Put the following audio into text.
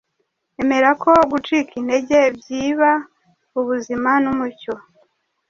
Emera ko gucika intege byiba ubuzima n’umucyo.